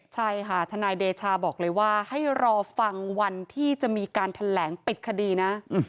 ใช่ค่ะทนายเดชาบอกเลยว่าให้รอฟังวันที่จะมีการแถลงปิดคดีนะ